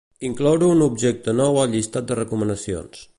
Incloure un objecte nou al llistat de recomanacions.